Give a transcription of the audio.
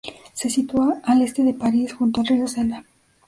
Se sitúa al este de París, junto al río Sena.